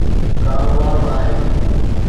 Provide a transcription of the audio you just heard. ڪاروبار به آهي.